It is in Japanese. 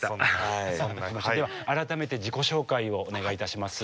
では改めて自己紹介をお願いいたします。